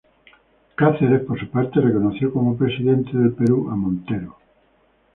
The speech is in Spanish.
Cáceres, por su parte, reconoció como presidente del Perú a Montero.